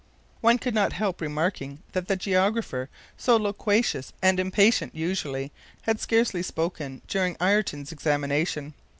One could not help remarking that the geographer, so loquacious and impatient usually, had scarcely spoken during Ayrton's examination.